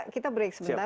kita break sebentar